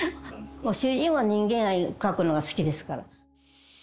主人は人間愛描くのが好きですから。